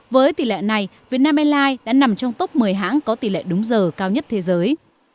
với tỷ lệ này việt nam airlines đã nằm trong top một mươi hãng có tỷ lệ đúng giờ cao nhất thế giới